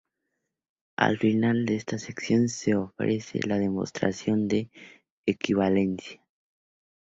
Al final de esta sección se ofrece la demostración de equivalencia.